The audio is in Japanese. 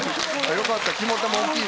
よかった。